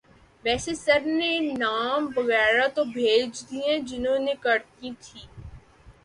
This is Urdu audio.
ویسے سر نے نام وغیرہ تو بھیج دیے ہیں جنہوں نے کرنی ہے۔